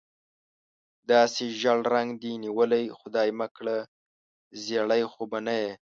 داسې ژېړ رنګ دې نیولی، خدای مکړه زېړی خو به نه یې؟